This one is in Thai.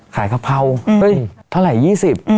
ขายกะเพราเฮ้ยเท่าไหร่ยี่สิบ